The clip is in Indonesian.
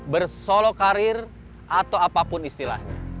bersolok karir atau apapun istilahnya